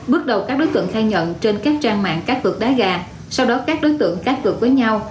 bước đầu các đối tượng khai nhận trên các trang mạng các vượt đá gà sau đó các đối tượng các vượt với nhau